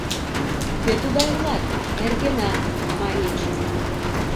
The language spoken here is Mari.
«Кӧ тугай улат, тергена», — маньыч.